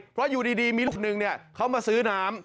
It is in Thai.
เพราะอยู่ดีมีลูกนึงเขามาซื้อน้ำ